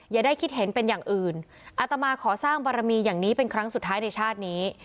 อย่าได้คิดเห็นเป็นอย่างอื่นอาตมาขอสร้างบารมีอย่างนี้เป็นครั้งสุดท้ายในชาตินี้